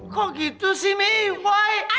kok gitu sih mi kenapa